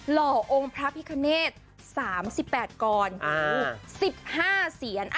หล่อองพระพิคเนต๓๘กรศิษย์๑๕เสียน